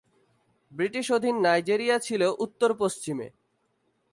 ব্রিটিশ-অধীন Nigeria ছিল উত্তর-পশ্চিমে।